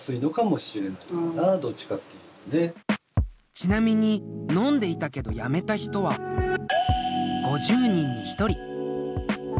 ちなみに飲んでいたけどやめた人は５０人に１人。